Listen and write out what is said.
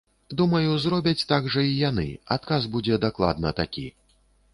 Думаю, зробяць так жа і яны, адказ будзе дакладна такі.